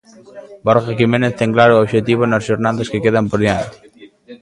Borja Jiménez ten claro o obxectivo nas xornadas que quedan por diante.